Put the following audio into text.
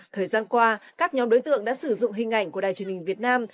thời gian qua các nhóm đối tượng đã sử dụng hình ảnh của đài truyền hình việt nam